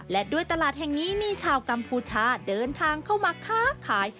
และด้วยตลาดแห่งนี้มีชาวกัมพูชาเดินทางเข้ามาค้าขาย